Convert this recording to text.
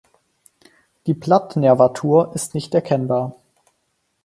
Die Blattnervatur ist nicht erkennbar.